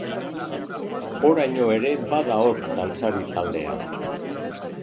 Oraino ere bada hor dantzari taldea.